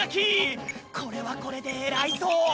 これはこれでえらいぞ！